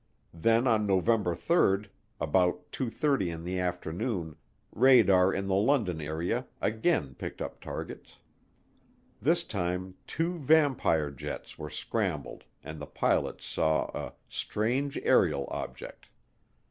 Then on November 3, about two thirty in the afternoon, radar in the London area again picked up targets. This time two Vampire jets were scrambled and the pilots saw a "strange aerial object."